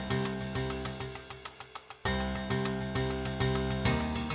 saya cuma mau ngasih tau